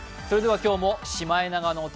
今日も「シマエナガの歌」